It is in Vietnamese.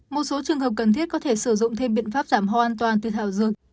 một số trường hợp cần thiết có thể sử dụng thêm biện pháp giảm hoa an toàn từ thảo dược